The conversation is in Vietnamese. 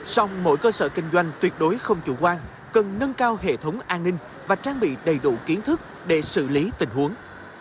song mỗi cơ sở kinh doanh tuyệt đối không chủ quan cần nâng cao hệ thống an ninh và trang bị đầy đủ kiến thức để xử lý tình huống